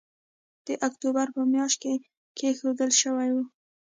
د اکتوبر په مياشت کې کېښودل شوی وو